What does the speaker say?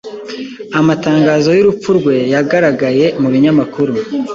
Amatangazo y'urupfu rwe yagaragaye mu binyamakuru.